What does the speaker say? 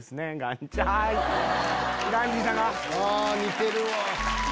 あ似てるわ。